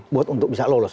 buat untuk bisa lolos